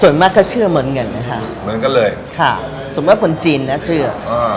ส่วนมากก็เชื่อเหมือนกันนะคะประมาณจากคนจีนก็เชื่อ